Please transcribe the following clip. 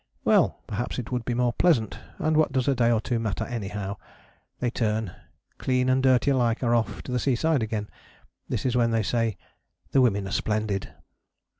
Well! Perhaps it would be more pleasant, and what does a day or two matter anyhow. They turn; clean and dirty alike are off to the seaside again. This is when they say, "The women are splendid."